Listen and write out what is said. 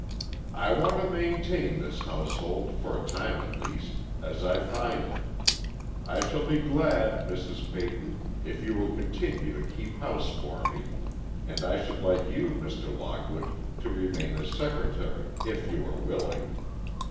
"I want to maintain this household, for a time at least, as I find it. I shall be glad, Mrs. Peyton, if you will continue to keep house for me, and I should like you, Mr. Lockwood, to remain as secretary, if you are willing.